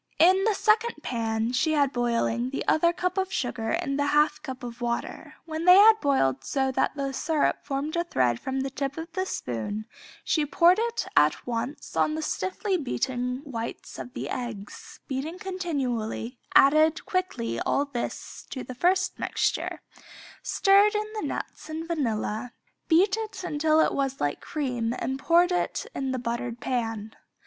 In the second pan she had boiling the other cup of sugar and the half cup of water; when they had boiled so that the syrup formed a thread from the tip of the spoon she poured it at once on the stiffly beaten whites of the eggs, beating continually, added quickly all this to the first mixture, stirred in the nuts and vanilla, beat until it was like cream and poured in buttered pan.